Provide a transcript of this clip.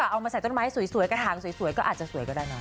เอามาใส่ต้นไม้สวยกระถางสวยก็อาจจะสวยก็ได้เนอ